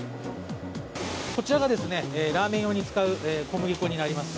こちらがラーメン用に使う小麦粉になります。